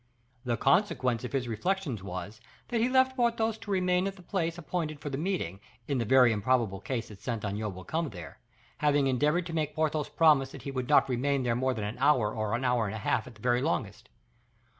The consequence of his reflections was, that he had left Porthos to remain at the place appointed for the meeting, in the very improbable case that Saint Aignan would come there; having endeavored to make Porthos promise that he would not remain there more than an hour or an hour and a half at the very longest.